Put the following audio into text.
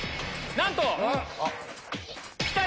なんと！